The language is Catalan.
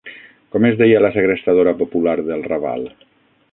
Com es deia la segrestadora popular del Raval?